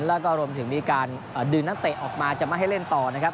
แล้วก็รวมถึงมีการดึงนักเตะออกมาจะไม่ให้เล่นต่อนะครับ